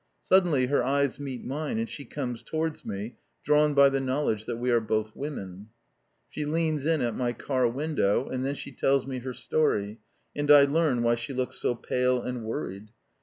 Suddenly her eyes meet mine, and she comes towards me, drawn by the knowledge that we are both women. She leans in at my car window. And then she tells me her story, and I learn why she looks so pale and worried.